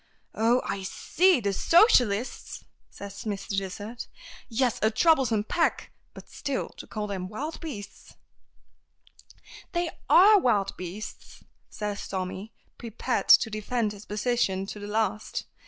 "Oh, I see! The socialists!" says Mr. Dysart. "Yes; a troublesome pack! But still, to call them wild beasts " "They are wild beasts," says Tommy, prepared to defend his position to the last.